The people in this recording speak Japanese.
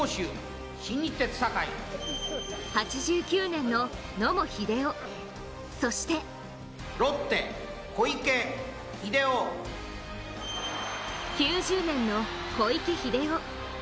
８９年の野茂英雄、そして９０年の小池秀郎。